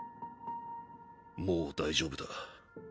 もう大丈夫だ。